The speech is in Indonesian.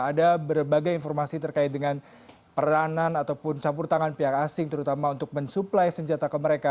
ada berbagai informasi terkait dengan peranan ataupun campur tangan pihak asing terutama untuk mensuplai senjata ke mereka